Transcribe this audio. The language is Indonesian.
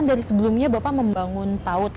nah bapak kan sebelumnya bapak membangun sekolah as kan